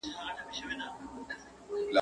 له هغې ورځي پيشو له ما بېرېږي.